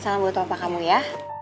salam buat bapak kamu ya